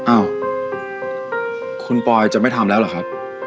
อ้าวคุณปอยจะไม่ทำแล้วเหรอครับ